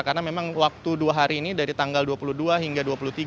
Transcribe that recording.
karena memang waktu dua hari ini dari tanggal dua puluh dua hingga dua puluh tiga